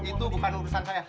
itu bukan urusan saya